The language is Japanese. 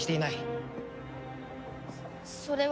それは。